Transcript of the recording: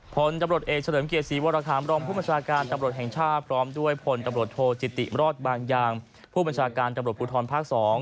ผลตำรวจเอกเฉลิมเกียรติศรีวรคามรองผู้บัญชาการตำรวจแห่งชาติพร้อมด้วยพลตำรวจโทจิติรอดบางยางผู้บัญชาการตำรวจภูทรภาค๒